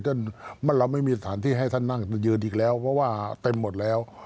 เราไม่มีสถานที่ให้ท่านนั่งยืนอีกแล้วเพราะว่าเต็มหมดแล้ว